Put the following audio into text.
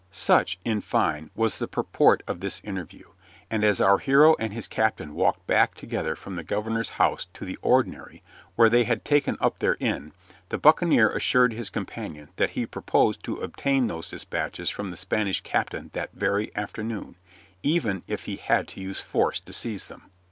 Such, in fine, was the purport of this interview, and as our hero and his captain walked back together from the governor's house to the ordinary where they had taken up their inn, the buccaneer assured his companion that he purposed to obtain those dispatches from the Spanish captain that very afternoon, even if he had to use force to seize them.